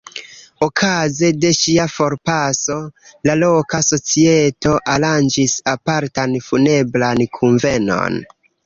Okaze de ŝia forpaso, la loka societo aranĝis apartan funebran kunvenon.